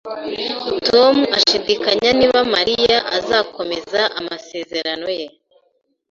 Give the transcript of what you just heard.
Tom ashidikanya niba Mariya azakomeza amasezerano ye